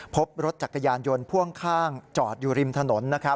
พบรถจักรยานยนต์พ่วงข้างจอดอยู่ริมถนน